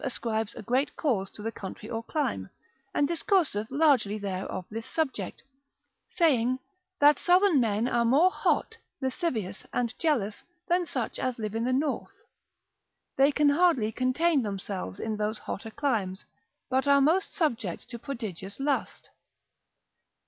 ascribes a great cause to the country or clime, and discourseth largely there of this subject, saying, that southern men are more hot, lascivious, and jealous, than such as live in the north; they can hardly contain themselves in those hotter climes, but are most subject to prodigious lust.